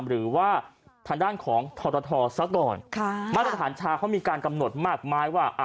หรือว่าด้านของธฤทธ์ศักดร์มาตรฐานในภารกรณ์ชาเขามีการกำหนดมากมายว่า